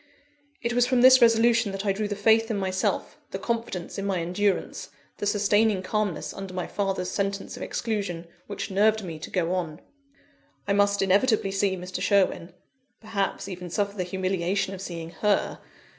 It was from this resolution that I drew the faith in myself, the confidence in my endurance, the sustaining calmness under my father's sentence of exclusion, which nerved me to go on. I must inevitably see Mr. Sherwin (perhaps even suffer the humiliation of seeing her!)